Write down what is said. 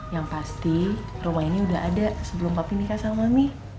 yang pasti rumah ini udah ada sebelum papi nikah sama nih